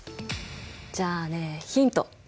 じゃあねヒント。